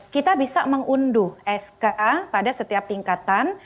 kita bisa mengunduh sk pada setiap tingkatan